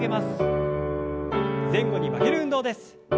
前後に曲げる運動です。